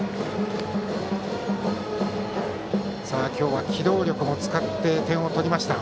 今日は機動力も使って点を取りました。